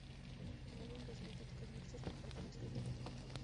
El álbum recibió críticas "mixtas" por parte de los críticos musicales.